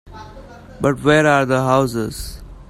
But where are the houses?